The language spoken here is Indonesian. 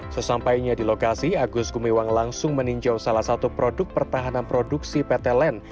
sesampainya di lokasi agus gumiwang langsung meninjau salah satu produk pertahanan produksi pt len